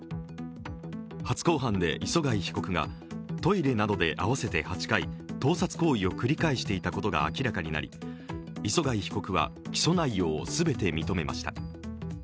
初公判で磯貝被告が、トイレなどで合わせて８回、盗撮行為を繰り返していたことが明らかになり礒貝被告は起訴内容を全て認めました。